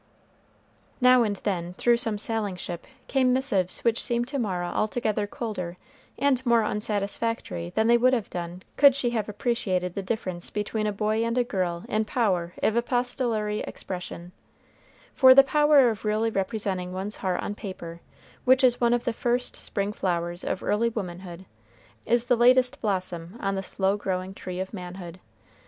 Now and then, through some sailing ship, came missives which seemed to Mara altogether colder and more unsatisfactory than they would have done could she have appreciated the difference between a boy and a girl in power of epistolary expression; for the power of really representing one's heart on paper, which is one of the first spring flowers of early womanhood, is the latest blossom on the slow growing tree of manhood.